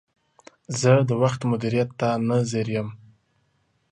زه د وخت مدیریت ته نه ځیر یم.